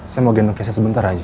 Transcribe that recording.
saya mau gendong case sebentar aja